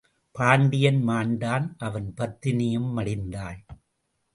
பாண்டியன் மாண்டான் அவன் பத்தினியும் மடிந்தாள்.